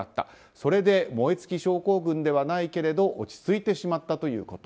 それで燃え尽き症候群ではないけれど落ち着いてしまったということ。